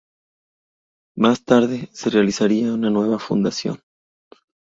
Más tarde se realizaría una nueva fundación.